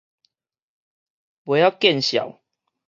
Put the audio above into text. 袂曉見笑